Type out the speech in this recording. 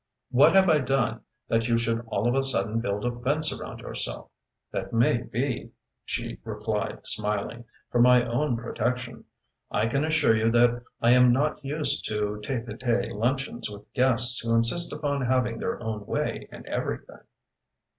What have I done that you should all of a sudden build a fence around yourself?" "That may be," she replied, smiling, "for my own protection. I can assure you that I am not used to tête a tête luncheons with guests who insist upon having their own way in everything."